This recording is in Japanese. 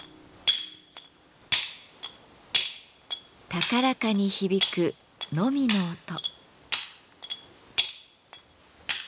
高らかに響くノミの音。